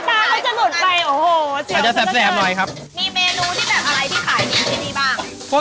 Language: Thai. ทะเลตัวไหนขายดีที่สุด